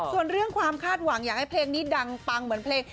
ส่วนเรื่องความคาดหวังอยากให้เพลงนี้ดังปังเหมือนเพลง